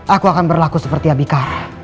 aku akan berlaku seperti abika